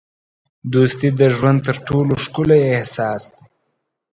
دوستي د ژوند تر ټولو ښکلی احساس دی.